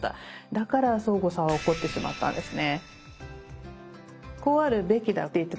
だからそーごさんは怒ってしまったんですね。